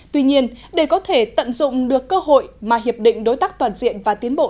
tuy nhiên để có thể tận dụng được cơ hội mà hiệp định đối tác toàn diện và tiến bộ